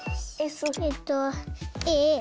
えっとａ。